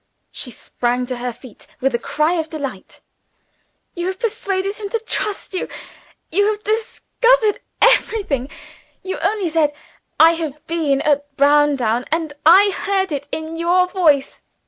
She sprang to her feet with a cry of delight. "You have persuaded him to trust you you have discovered everything. You only said 'I have been at Browndown' and I heard it in your voice.